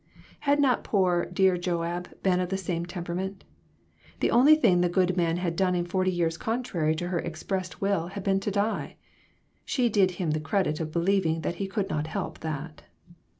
Had not poor, dear Joab been of that same temperament. The only thing the good man had done in forty years contrary to her expressed will had been to die. She did him the credit of believing that he could not help that.